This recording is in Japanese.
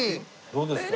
どうですか？